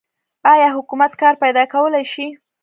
آیا حکومت کار پیدا کولی شي؟